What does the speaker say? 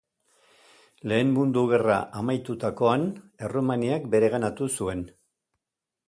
Lehen Mundu Gerra amaitutakoan Errumaniak bereganatu zuen.